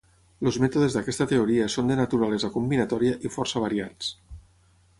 Els mètodes d'aquesta teoria són de naturalesa combinatòria, i força variats.